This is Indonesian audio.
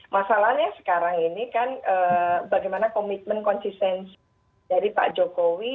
masalahnya sekarang ini kan bagaimana komitmen konsistensi dari pak jokowi